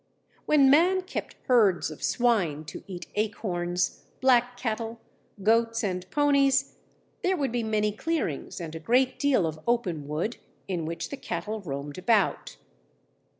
When man kept herds of swine to eat acorns, black cattle, goats, and ponies, there would be many clearings and a great deal of open wood in which the cattle roamed about.